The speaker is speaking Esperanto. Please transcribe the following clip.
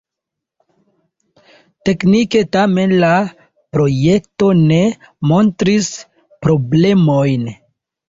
Teknike tamen la projekto ne montris problemojn.